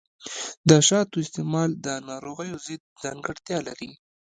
د شاتو استعمال د ناروغیو ضد ځانګړتیا لري.